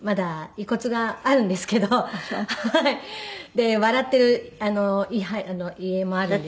で笑っている遺影もあるんですけど。